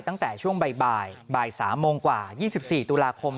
ตั้งแต่ช่วงบ่าย๓โมงกว่า๒๔ตุลาคม